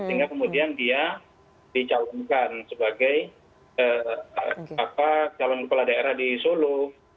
sehingga kemudian dia dicalonkan sebagai calon kepala daerah di solo